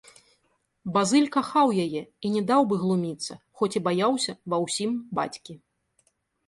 Базыль кахаў яе і не даў бы глуміцца, хоць і баяўся ва ўсім бацькі.